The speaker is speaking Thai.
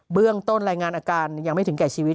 เรื่องต้นรายงานอาการยังไม่ถึงแก่ชีวิต